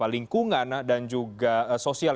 lingkungan dan juga sosial